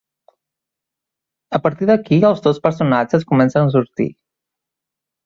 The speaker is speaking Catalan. A partir d'aquí els dos personatges comencen a sortir.